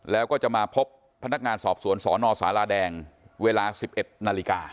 แล้วก็จะมาพบพนักงานสอบสวนสนสาราแดงเวลา๑๑นาฬิกา